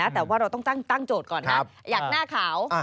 แต่ว่าเราต้องตั้งโจทย์ก่อนนะอยากหน้าขาว